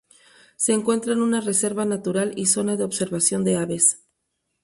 Se encuentra en una reserva natural y zona de observación de aves.